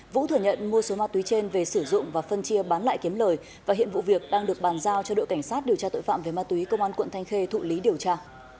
vũ thừa nhận mua số ma túy trên về sử dụng và phân chia bán lại kiếm lời và hiện vụ việc đang được bàn giao cho đội cảnh sát điều tra tội phạm về ma túy công an quận thanh khê thụ lý điều tra